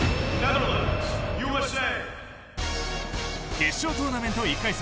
決勝トーナメント１回戦